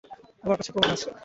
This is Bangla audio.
আমাদের কাছে প্রমাণ আছে!